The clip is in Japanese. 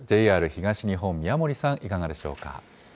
ＪＲ東日本、宮森さん、いかがでしょうか。